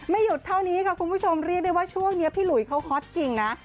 หยุดเท่านี้ค่ะคุณผู้ชมเรียกได้ว่าช่วงนี้พี่หลุยเขาฮอตจริงนะ